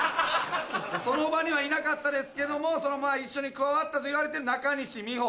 その場にはいなかったですけども一緒に加わったといわれてるナカニシミホ。